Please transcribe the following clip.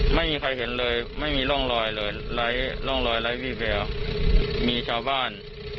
ไม่มีใครเห็นเลยไม่มีร่องรอยเลยไร้ร่องรอยไร้วี่แววมีชาวบ้าน